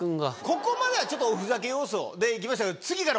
ここまではちょっとおふざけ要素で行きましたけど。